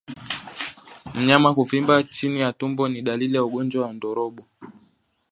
Mnyama kuvimba chini ya tumbo ni dalili ya ugonjwa wa ndorobo